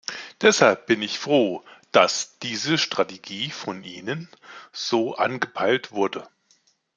Deshalb bin ich froh, dass diese Strategie von Ihnen so angepeilt wurde.